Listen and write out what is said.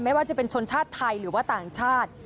ไม่ว่าจะเป็นชนชาติไทยหรือว่าต่างชาติ